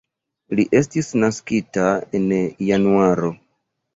Li estis naskita en Januaro.